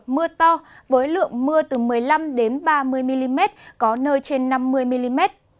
mưa to với lượng mưa từ một mươi năm ba mươi mm có nơi trên năm mươi mm